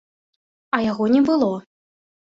А яго не было.